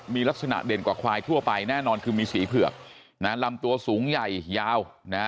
มีลักษณะเด่นกว่าควายทั่วไปแน่นอนคือมีสีเผือกลำตัวสูงใหญ่ยาว